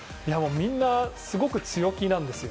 みんな、すごく強気なんです。